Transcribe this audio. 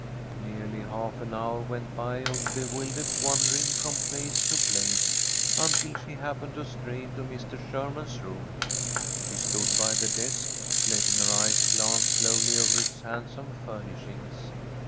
Nearly half an hour went by of bewildered wandering from place to place, until she happened to stray into Mr. Sherman's room. She stood by the desk, letting her eyes glance slowly over its handsome furnishings.